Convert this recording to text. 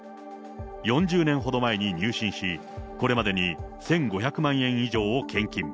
４０年ほど前に入信し、これまでに１５００万円以上を献金。